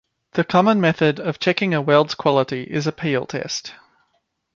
The common method of checking a weld's quality is a peel test.